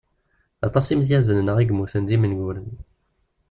Aṭas imedyazen-nneɣ i immuten d imenguren.